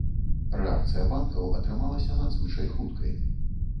Рэакцыя банкаў атрымалася надзвычай хуткай.